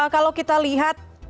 kalau kita lihat